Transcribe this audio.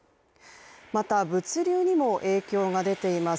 また物流にも影響が出ています。